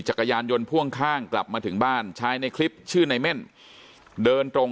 จักรยานยนต์พ่วงข้างกลับมาถึงบ้านชายในคลิปชื่อในเม่นเดินตรง